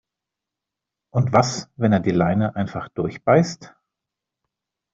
Und was, wenn er die Leine einfach durchbeißt?